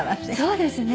そうですね。